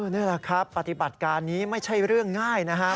นี่แหละครับปฏิบัติการนี้ไม่ใช่เรื่องง่ายนะฮะ